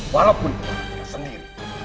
walaupun itu kita sendiri